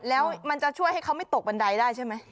แล้วมันจะช่วยให้เขาไม่ตกบันไดได้ใช่ไหม